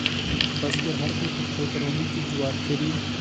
بزګر هر کال په خپل کروندې کې جوار کري.